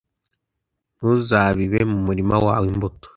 ntuzabibe mu murima wawe imbuto